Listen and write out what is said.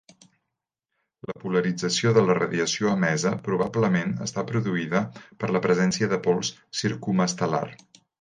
La polarització de la radiació emesa probablement està produïda per la presència de pols circumestel·lar.